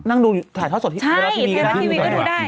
นั่งดูถ่ายทอดสดที่ไทยรัฐทีวีก็ดูได้